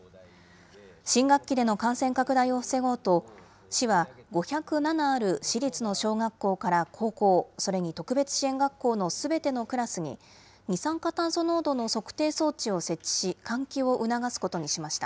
新学期での感染拡大を防ごうと、市は５０７ある市立の小学校から高校、それに特別支援学校のすべてのクラスに、二酸化炭素濃度の測定装置を設置し、換気を促すことにしました。